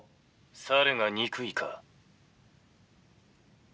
「猿が憎いか？」。